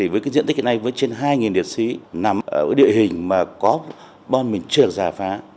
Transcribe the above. với diện tích hiện nay với trên hai liệt sĩ nằm ở địa hình mà có bom mình trượt giả phá